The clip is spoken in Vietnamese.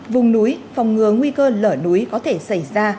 vùng núi phòng ngừa nguy cơ lở núi có thể xảy ra